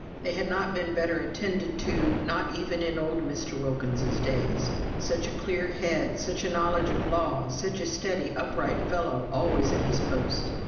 They had not been better attended to, not even in old Mr. Wilkins's days; such a clear head, such a knowledge of law, such a steady, upright fellow, always at his post.